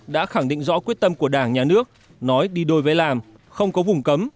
đã khẳng định rõ quyết tâm của đảng nhà nước nói đi đôi với làm không có vùng cấm